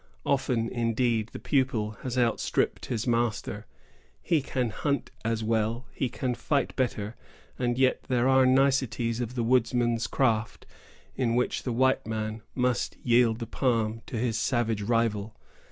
Often, indeed, the pupil has outstripped his master. He can hunt as well; he can fight better; and yet there are niceties of the woodsman's craft in which the white man must yield the palm to his savage rival.